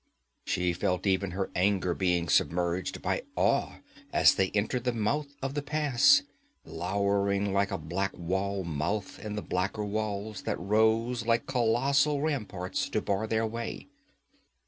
She felt even her anger being submerged by awe as they entered the mouth of the Pass, lowering like a black well mouth in the blacker walls that rose like colossal ramparts to bar their way.